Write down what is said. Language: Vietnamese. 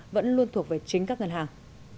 vẫn luôn thuộc về chính các ngân hàng